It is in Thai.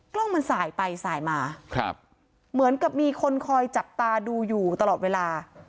กล้องมันสายไปสายมาครับเหมือนกับมีคนคอยจับตาดูอยู่ตลอดเวลา